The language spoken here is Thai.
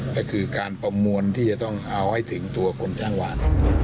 ก็คือการประมวลที่จะต้องเอาให้ถึงตัวคนจ้างหวาน